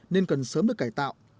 nên cần sớm được cải tạo